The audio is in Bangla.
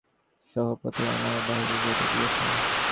আমি ছিলাম গৃহের মধ্যে, আপনি সহসা পথের মধ্যে আমাকে বাহির করিয়া দিয়াছেন।